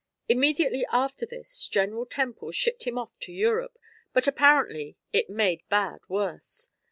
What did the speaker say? Immediately after this, General Temple shipped him off to Europe, but apparently it made bad worse.